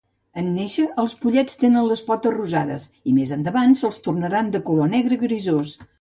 En néixer, els pollets tenen les potes rosades, i més endavant se'ls tornaran de color negre grisós.